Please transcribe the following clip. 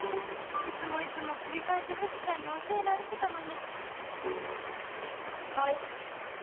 いつもいつも繰り返し藤さんに教えられてたのに